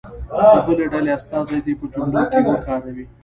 د بلې ډلې استازی دې په جملو کې وکاروي.